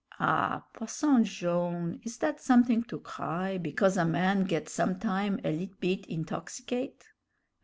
"Ah, Posson Jone', is that something to cry, because a man get sometime a litt' bit intoxicate?